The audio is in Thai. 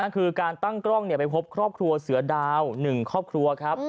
คือการตั้งกล้องไปพบครอบครัวเสือดาว